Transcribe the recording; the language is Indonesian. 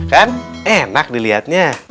kan enak diliatnya